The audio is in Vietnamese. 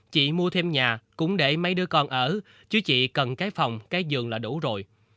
chị mua thêm nhà cũng để mấy đứa con ở chứ chị cần cái phòng cái dường là đủ rồi